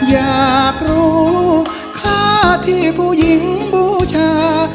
อยากรู้ค่าที่ผู้หญิงบูชา